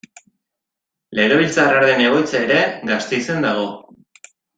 Legebiltzarraren egoitza ere Gasteizen dago.